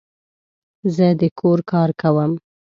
زه د کور کار کوم